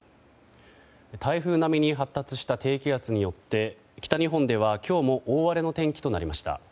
台風並みに発達した低気圧によって北日本では今日も大荒れの天気となりました。